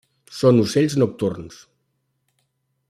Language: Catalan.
Són ocells nocturns.